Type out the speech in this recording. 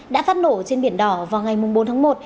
đã phát nổ trên biển đỏ vào ngày bốn tháng một